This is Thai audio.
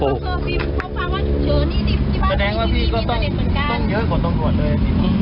เพราะความว่าเจอนี่ที่บ้านที่นี่มีเศรษฐ์เหมือนกันแสดงว่าพี่ก็ต้องเยอะกว่าต้องรวดเลย